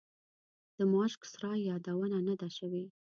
د ماشک سرای یادونه نه ده شوې.